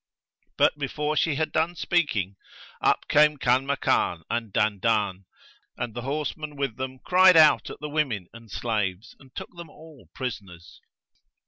But before she had done speaking, up came Kanmakan and Dandan; and the horsemen with them cried out at the women and slaves and took them all prisoners.